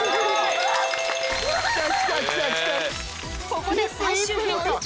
ここで最終ヒント